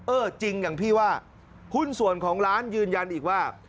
เออจริงอย่างพี่ว่าหุ้นส่วนของร้านยืนยันอีกว่า